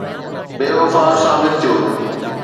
بي وفا ثابت ٿيو